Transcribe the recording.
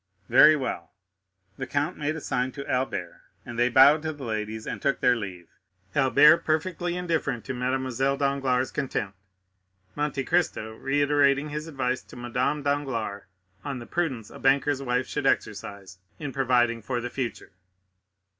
"Very well." The count made a sign to Albert and they bowed to the ladies, and took their leave, Albert perfectly indifferent to Mademoiselle Danglars' contempt, Monte Cristo reiterating his advice to Madame Danglars on the prudence a banker's wife should exercise in providing for the future.